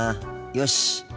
よし。